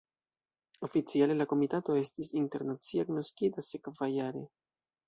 Oficiale, la komitato estis internacie agnoskita sekvajare.